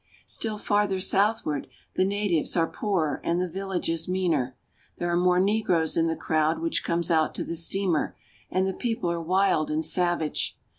^^M Still farther southward the natives are poorer and the ^^V villages meaner. There are more negroes in the crowd ^^B which comes out to the steamer, and the people are wild ^^B and savage.